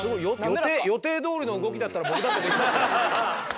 予定どおりの動きだったら僕だってできますよ。